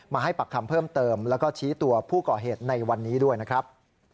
ให้ปักคำเพิ่มเติมแล้วก็ชี้ตัวผู้ก่อเหตุในวันนี้ด้วยนะครับ